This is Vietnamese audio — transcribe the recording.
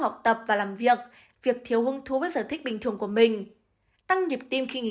học tập và làm việc việc thiếu hương thú với sở thích bình thường của mình tăng nhịp tim khi nghỉ